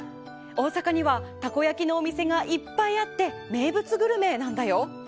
大阪にはたこ焼きのお店がいっぱいあって名物グルメなんだよ。